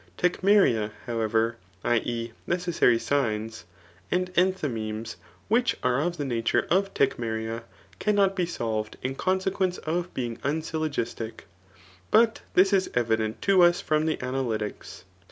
Tecmeria^ how ever, [i. e. necessary signs,] and enthymemes which are of the nature of tecmeria^ cannot, be solved in conse* quence of being unsyllogistic. But diis is evident to us from the analytics.'